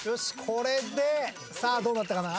これでさあどうなったかな？